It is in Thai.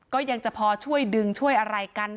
ก็ยังจะพอช่วยดึงช่วยอะไรกัน